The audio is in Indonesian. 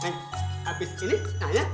nih abis ini ayah